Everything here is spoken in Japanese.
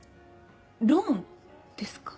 ローンですか？